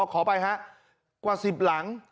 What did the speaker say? ขอไปฮะกว่า๑๐หลัง